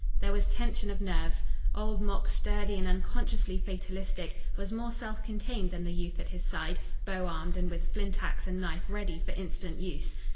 There was tension of nerves. Old Mok, sturdy and unconsciously fatalistic, was more self contained than the youth at his side, bow armed and with flint ax and knife ready for instant use.